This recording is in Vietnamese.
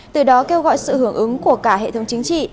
từ đó kêu gọi sự hưởng ứng của cả hệ thống chính trị